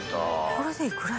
これでいくら？